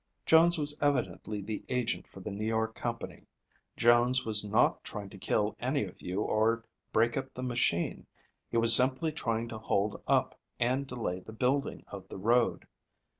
Jones was evidently the agent for the New York company. Jones was not trying to kill any of you or to break up the machine. He was simply trying to hold up and delay the building of the road.